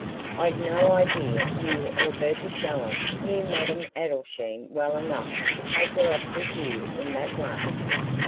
"I'd no idea you or Bertha Shallum knew Madame Adelschein well enough to take her off with you in that way."